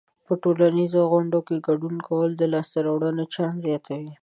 په ټولنیزو غونډو کې ګډون کول د لاسته راوړنو چانس زیاتوي.